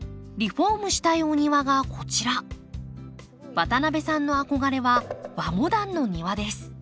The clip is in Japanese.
渡邊さんの憧れは和モダンの庭です。